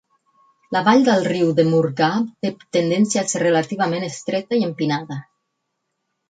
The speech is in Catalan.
La vall del riu de Murghab té tendència a ser relativament estreta i empinada.